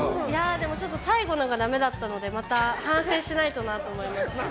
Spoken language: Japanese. でも、最後のがダメだったのでまた反省しないとなと思いました。